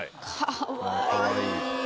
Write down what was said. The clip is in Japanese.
かわいい。